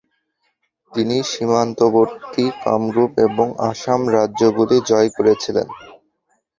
তিনি সীমান্তবর্তী কামরূপ এবং আসাম রাজ্যগুলি জয় করেছিলেন।